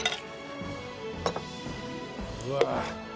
うわ。